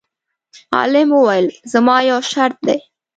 عالم وویل: زما یو شرط دی.